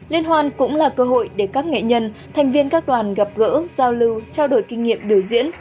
liên hoan cũng là cơ hội để các nghệ nhân thành viên các đoàn gặp gỡ giao lưu trao đổi kinh nghiệm biểu diễn